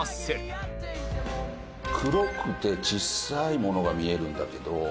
「黒くて小さいものが見えるんだけど」。